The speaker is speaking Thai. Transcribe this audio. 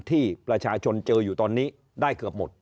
ที่ประชาชนเจออยู่ตอนนี้ได้เกือบหมด